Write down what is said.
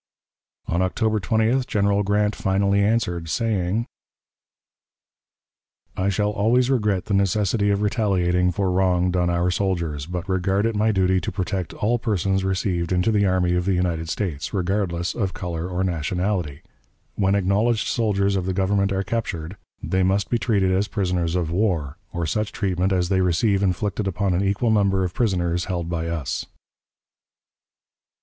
On October 20th General Grant finally answered, saying; "I shall always regret the necessity of retaliating for wrong done our soldiers, but regard it my duty to protect all persons received into the army of the United States, regardless of color or nationality; when acknowledged soldiers of the Government are captured, they must be treated as prisoners of war, or such treatment as they receive inflicted upon an equal number of prisoners held by us."